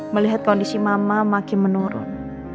melihat kondisi mama makin menurun